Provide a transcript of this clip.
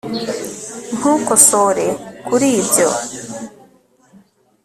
ntukosore kuri ibyo